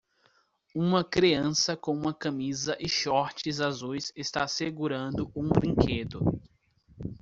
Uma criança com uma camisa e shorts azuis está segurando um brinquedo.